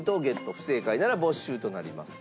不正解なら没収となります。